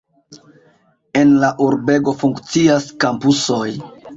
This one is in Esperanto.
En la urbego funkcias kampusoj.